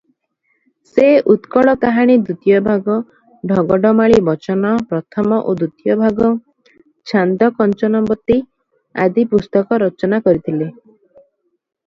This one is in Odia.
"ସେ "ଉତ୍କଳ କାହାଣୀ ଦ୍ୱିତୀୟ ଭାଗ", "ଢଗ ଢମାଳୀ ବଚନ" ପ୍ରଥମ ଓ ଦ୍ୱିତୀୟ ଭାଗ, "ଛାନ୍ଦ କଞ୍ଚନବତୀ" ଆଦି ପୁସ୍ତକ ରଚନା କରିଥିଲେ ।"